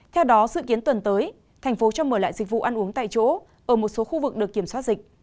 theo đó dự kiến tuần tới thành phố cho mở lại dịch vụ ăn uống tại chỗ ở một số khu vực được kiểm soát dịch